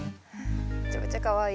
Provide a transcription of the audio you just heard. めちゃめちゃかわいい。